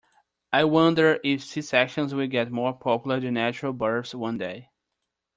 I wonder if C-sections will get more popular than natural births one day.